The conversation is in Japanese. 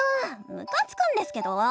むかつくんですけど！